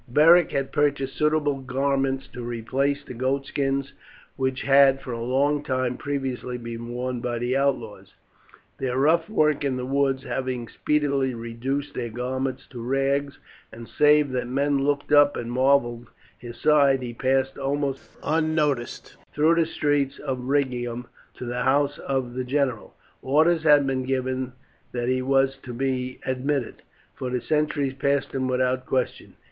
Beric had purchased suitable garments to replace the goatskins which had for a long time previously been worn by the outlaws, their rough work in the woods having speedily reduced their garments to rags, and save that men looked up and marvelled his size, he passed almost unnoticed through the streets of Rhegium to the house of the general. Orders had been given that he was to be admitted, for the sentries passed him without question.